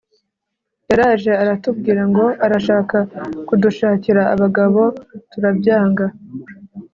“Yaraje aratubwira ngo arashaka kudushakira abagabo turabyanga